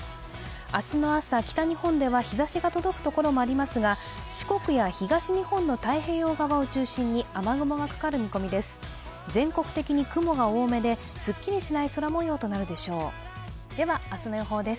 明日の朝、北日本では日ざしが届くところもありますが、四国や東日本の太平洋側を中心に雨雲がかかる見込みです。